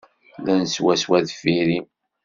Llan swaswa deffir-i.